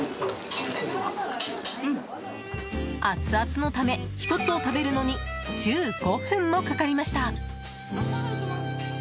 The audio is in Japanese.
アツアツのため１つを食べるのに１５分もかかりました。